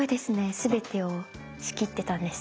全てを仕切ってたんですね。